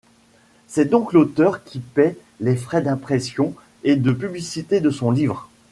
C'est donc l'auteur qui paie les frais d'impression et de publicité de son livre.